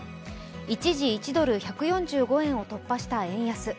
一時１ドル＝１４５円を突破した円安。